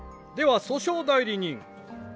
では訴訟代理人。